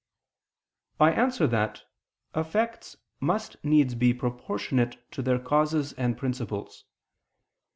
I answer that, Effects must needs be proportionate to their causes and principles.